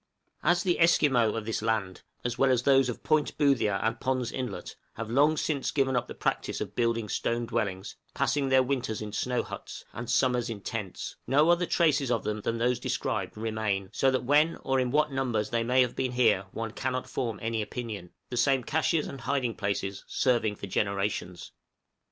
} As the Esquimaux of this land, as well as those of Boothia and Pond's Inlet, have long since given up the practice of building stone dwellings passing their winters in snow huts, and summers in tents no other traces of them than those described remain; so that when or in what numbers they may have been here one cannot form any opinion, the same câches and hiding places serving for generations.